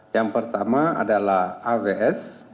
yang pertama adalah aws